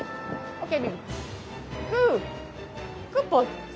ＯＫ。